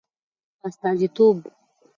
په استازیتوب